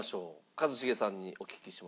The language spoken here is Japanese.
一茂さんにお聞きしましょう。